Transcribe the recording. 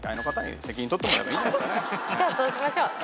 じゃあそうしましょう。